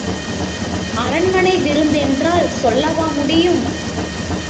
அரண்மனை விருந்தென்றால் சொல்லவா முடியும்?